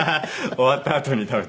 終わったあとに食べたり。